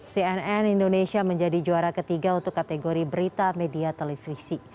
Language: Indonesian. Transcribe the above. cnn indonesia menjadi juara ketiga untuk kategori berita media televisi